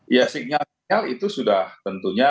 ya signal sinyal itu sudah tentunya